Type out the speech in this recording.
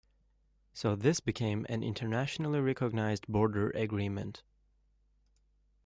So this became an internationally recognised border agreement.